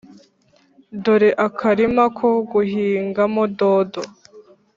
dore akarima ko guhingamo dodo.